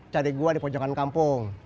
cantik gue di pojokan kampung